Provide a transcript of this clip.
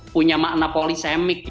punya makna polisemik